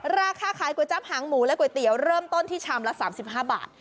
ราคาขายก๋วยจับหางหมูและก๋วยเตี๋ยวเริ่มต้นที่ชามละ๓๕บาท